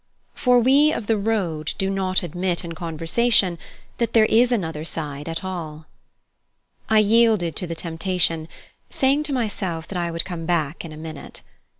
For we of the road do not admit in conversation that there is another side at all. I yielded to the temptation, saying to myself that I would come back in a minute.